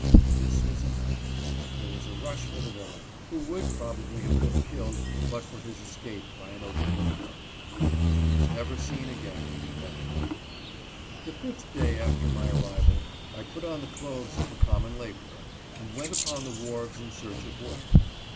This was enough ; there was a rush for the villain, who would probably have been killed but for his escape by an open window. He was never seen again in New Bedford. The fifth day after my arrival I put on the clothes of a common laborer, and went upon the wharves in search of work.